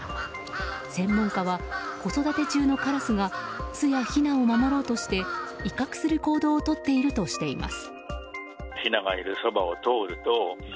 専門家は子育て中のカラスが巣やひなを守ろうとして威嚇する行動をとっているとしています。